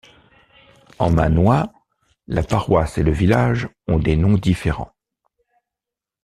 En mannois, la paroisse et le village ont des noms différents.